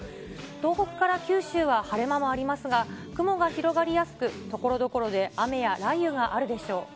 東北から九州は晴れ間もありますが、雲が広がりやすく、ところどころで雨や雷雨があるでしょう。